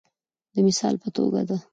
د مثال په توګه د